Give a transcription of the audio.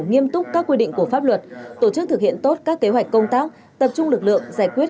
nghiêm túc các quy định của pháp luật tổ chức thực hiện tốt các kế hoạch công tác tập trung lực lượng giải quyết